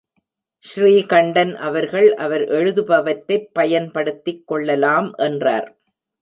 ஸ்ரீகண்டன் அவர்கள் அவர் எழுதுபவற்றைப் பயன்படுத்திக் கொள்ளலாம் என்றார்.